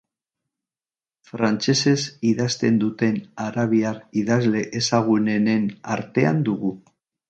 Frantsesez idazten duten arabiar idazle ezagunenen artean dugu.